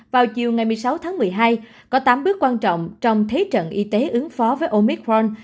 vào chiều ngày một mươi sáu tháng một mươi hai có tám bước quan trọng trong thế trận y tế ứng phó với omicron